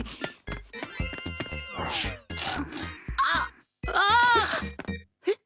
あっああっ！